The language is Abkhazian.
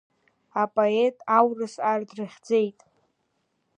Апоет аурыс ар дрыхьӡеит.